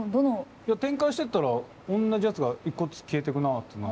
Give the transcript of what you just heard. いや展開してったらおんなじやつが一個ずつ消えてくなあっていうのは。